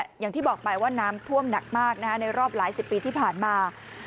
อย่างที่บอกไปว่าน้ำท่วมหนักมากในรอบหลายสิบปีที่ผ่านมา